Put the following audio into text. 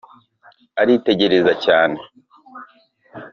aritegereza cyane